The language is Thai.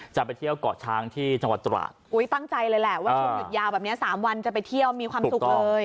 จะไปเที่ยวเกาะช้างที่จังหวัดตราุ้ยตั้งใจเลยแหละว่าช่วงหยุดยาวแบบนี้สามวันจะไปเที่ยวมีความสุขเลย